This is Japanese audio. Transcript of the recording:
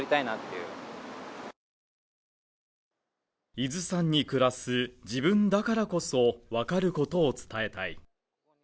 伊豆山に暮らす自分だからこそ分かることを伝えたい